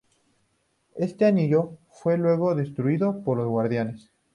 Este anillo fue luego destruido por los Guardianes.